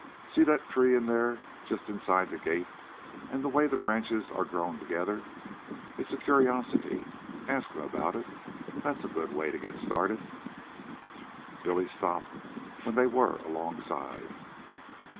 See that tree in there, just inside the gate, and the way the branches are grown together. It's a curiosity. Ask him about it. That's a good way to get started." Billy stopped, when they were alongside.